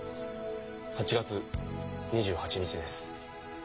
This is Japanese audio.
８月２８日です。